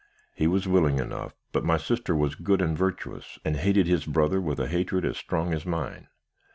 He was willing enough, but my sister was good and virtuous, and hated his brother with a hatred as strong as mine.